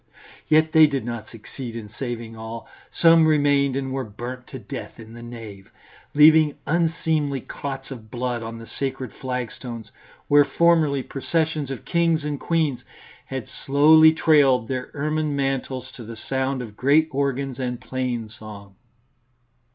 Yet they did not succeed in saving all; some remained and were burnt to death in the nave, leaving unseemly clots of blood on the sacred flagstones, where formerly processions of kings and queens had slowly trailed their ermine mantles to the sound of great organs and plain song.